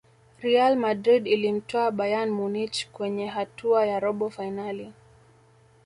real madrid ilimtoa bayern munich kwenye hatua ya robo fainali